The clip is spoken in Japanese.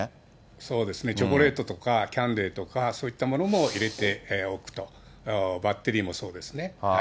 そうですね、チョコレートとかキャンデーとか、そういったものも入れておくと、バッテリーもそうですね。